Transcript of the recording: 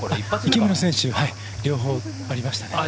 池村選手、両方ありました。